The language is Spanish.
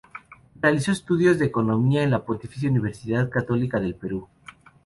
Realizó estudios de Economía en la Pontificia Universidad Católica del Perú.